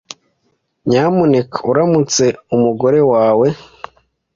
Nyamuneka uramutse umugore wawe.